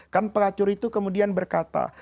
kan pengacur itu kemudian berkata